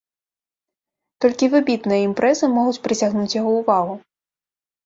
Толькі выбітныя імпрэзы могуць прыцягнуць яго ўвагу.